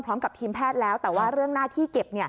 พร้อมกับทีมแพทย์แล้วแต่ว่าเรื่องหน้าที่เก็บ